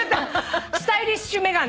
スタイリッシュ眼鏡。